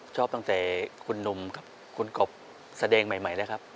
ชอบตั้งแต่คุณหนุ่มกับคุณกบแสดงใหม่เลยครับ